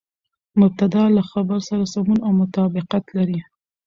مبتداء له خبر سره سمون او مطابقت لري.